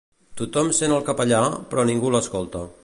Tothom sent el capellà, però ningú l'escolta.